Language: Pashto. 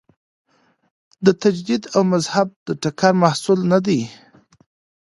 د تجدد او مذهب د ټکر محصول نه دی.